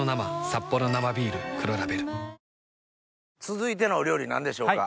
続いてのお料理何でしょうか？